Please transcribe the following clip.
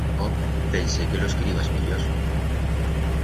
Oh, pensé que los queribas millors.